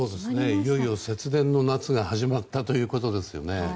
いよいよ節電の夏が始まったということですね。